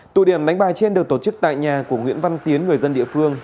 tụ điểm đánh bài trên được tổ chức tại nhà của nguyễn văn tiến người dân địa phương